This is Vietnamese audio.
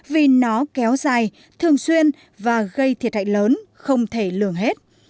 vì nó kéo dài thường xuyên và gây thiệt hại lớn không thể lường hết